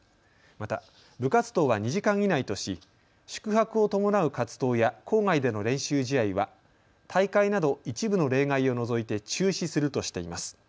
また部活動は２時間以内とし宿泊を伴う活動や校外での練習試合は大会など一部の例外を除いて中止するとしています。